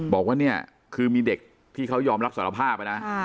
บอกว่าเนี่ยคือมีเด็กที่เขายอมรับสารภาพนะ